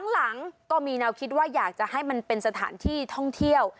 หลังก็มีแนวคิดว่าอยากจะให้มันเป็นสถานที่ท่องเที่ยว